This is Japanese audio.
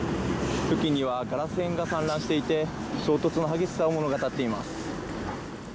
付近にはガラス片が散乱していて衝突の激しさを物語っています。